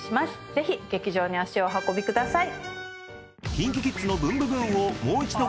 ぜひ劇場に足をお運びください。